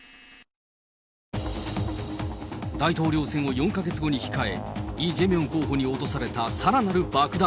大統領選を４か月後に控え、イ・ジェミョン候補に落とされたさらなる爆弾。